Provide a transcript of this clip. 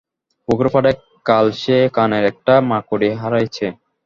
পুকুরপাড়ে কাল সে কানের একটা মাকড়ি হারাইয়াছে।